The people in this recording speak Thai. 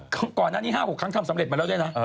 ก่อนหน้านี้๕๖ครั้งทำสำเร็จมาแล้วด้วยนะ